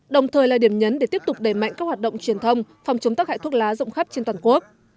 đồng thời là điểm nhấn để tiếp tục đẩy mạnh các hoạt động truyền thông phòng chống tắc hại thuốc lá rộng khắp trên toàn quốc